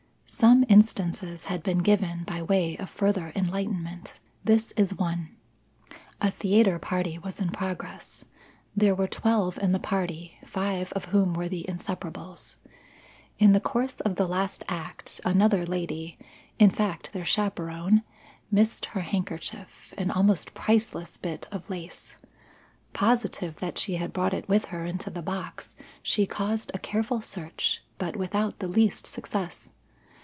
Some instances had been given by way of further enlightenment. This is one: A theatre party was in progress. There were twelve in the party, five of whom were the Inseparables. In the course of the last act, another lady in fact, their chaperon missed her handkerchief, an almost priceless bit of lace. Positive that she had brought it with her into the box, she caused a careful search, but without the least success.